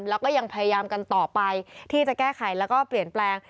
แล้วก็ยังพยายามกันต่อไปที่จะแก้ไขแล้วก็เปลี่ยนแปลง